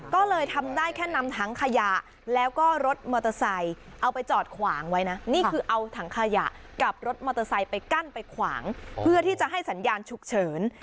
ก็เลยทำได้แค่นำถังขยะแล้วก็รถมอเตอร์ไซค์เอาไปจอดขวางไว้นะนี่คือเอาถังขยะกับรถมอเตอร์ไซค์ไปกั้นไปขวางเพื่อที่จะให้สัญญาณฉุกเฉิน